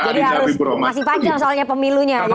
jadi harus masih panjang soalnya pemilunya